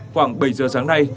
khoảng bảy giờ sáng nay